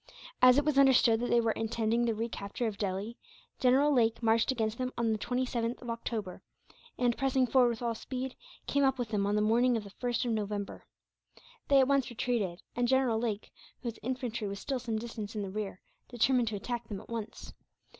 As it was understood that they were intending the recapture of Delhi, General Lake marched against them on the 27th of October and, pressing forward with all speed, came up with them on the morning of the 1st of November. They at once retreated; and General Lake, whose infantry was still some distance in the rear, determined to attack them, at once.